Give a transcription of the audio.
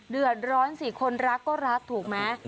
เดือดร้อนสิคนรักก็รักถูกมั้ย